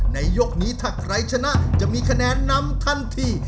ยกนี้ถ้าใครชนะจะมีคะแนนนำทันที